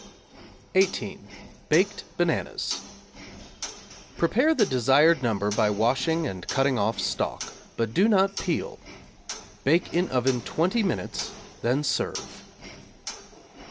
=18. Baked Bananas= Prepare the desired number by washing and cutting off stalk, but do not peel. Bake in oven 20 minutes, then serve.